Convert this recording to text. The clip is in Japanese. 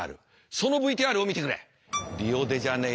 そのＶＴＲを見てくれ。